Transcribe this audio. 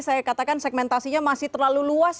saya katakan segmentasinya masih terlalu luas